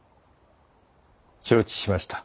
承知しました。